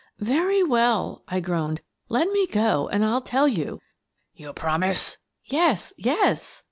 " Very well/' I groaned. " Let me go and Til tell you." "You promise?" "Yes, yes!"